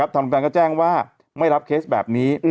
ทางแฟนก็แจ้งว่าไม่รับเคสแบบนี้